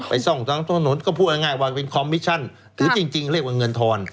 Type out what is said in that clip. ซ่องทางถนนก็พูดง่ายว่าเป็นคอมมิชชั่นถือจริงเรียกว่าเงินทอน